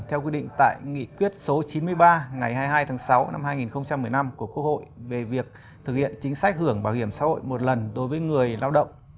theo quy định tại nghị quyết số chín mươi ba ngày hai mươi hai tháng sáu năm hai nghìn một mươi năm của quốc hội về việc thực hiện chính sách hưởng bảo hiểm xã hội một lần đối với người lao động